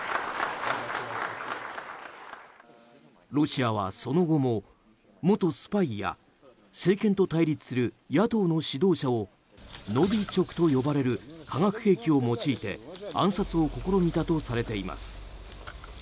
ロシアは、その後も元スパイや政権と対立する野党の指導者をノビチョクと呼ばれる化学兵器を用いて暗殺を試みたとされています。